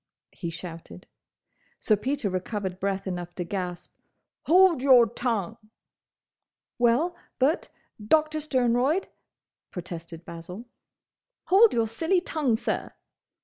he shouted. Sir Peter recovered breath enough to gasp, "Hold your tongue!" "Well, but, Doctor Sternroyd—" protested Basil. "Hold your silly tongue, sir!"